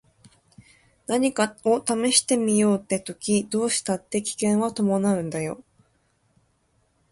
何かを試してみようって時どうしたって危険は伴うんだよ。